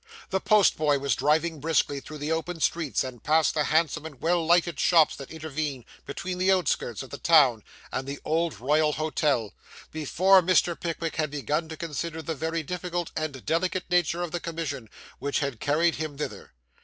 The postboy was driving briskly through the open streets, and past the handsome and well lighted shops that intervene between the outskirts of the town and the Old Royal Hotel, before Mr. Pickwick had begun to consider the very difficult and delicate nature of the commission which had carried him thither.